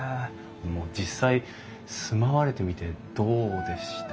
実際住まわれてみてどうでしたかね？